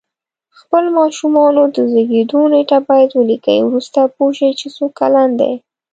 خپل ماشومانو د زیږېدو نېټه باید ولیکئ وروسته پوه شی چې څو کلن دی